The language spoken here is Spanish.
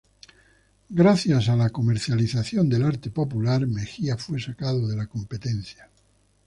Gracias a la comercialización del arte popular Mejía fue sacado de la competencia.